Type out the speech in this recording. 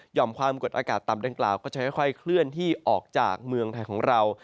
ความกดอากาศต่ำดังกล่าวก็จะค่อยเคลื่อนที่ออกจากเมืองไทยของเรา